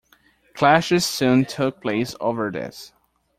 Clashes soon took place over this.